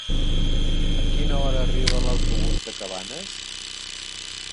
A quina hora arriba l'autobús de Cabanes?